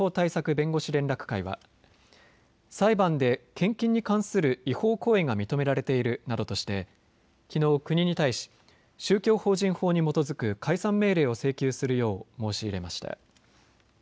弁護士連絡会は裁判で献金に関する違法行為が認められているなどとしてきのう国に対し宗教法人法に基づく解散命令を請求するよう申し入れました。